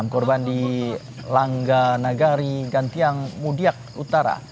enam korban di langga nagari gantiang mudiak utara